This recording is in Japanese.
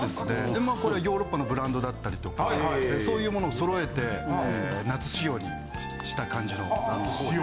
でこれヨーロッパのブランドだったりとかそういうものを揃えて夏仕様にした感じの。